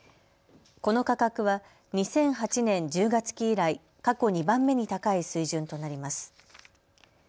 この価格は２００８年１０月期以来、過去２番目に高い水準となります。